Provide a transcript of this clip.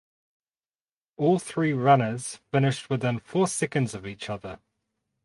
All three runners finished within four seconds of each other.